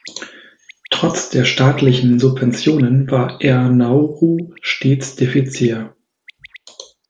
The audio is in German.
Trotz der staatlichen Subventionen war Air Nauru stets defizitär.